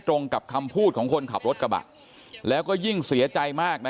ตรงกับคำพูดของคนขับรถกระบะแล้วก็ยิ่งเสียใจมากนะ